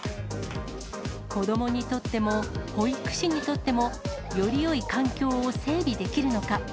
子どもにとっても、保育士にとっても、よりよい環境を整備できるのか。